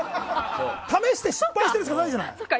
試して失敗してるってことじゃない。